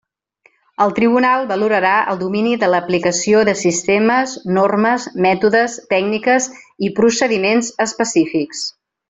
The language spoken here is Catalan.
El tribunal valorarà el domini de l'aplicació de sistemes, normes, mètodes, tècniques i procediments específics.